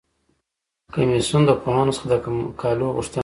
کمیسیون د پوهانو څخه د مقالو غوښتنه وکړه.